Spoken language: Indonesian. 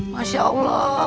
masya allah mbak